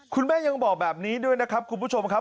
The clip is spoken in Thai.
คุณแม่ยังบอกแบบนี้ด้วยนะครับคุณผู้ชมครับ